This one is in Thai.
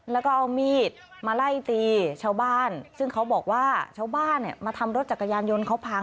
แล้วก็เอามีดมาไล่ตีชาวบ้านซึ่งเขาบอกว่าชาวบ้านเนี่ยมาทำรถจักรยานยนต์เขาพัง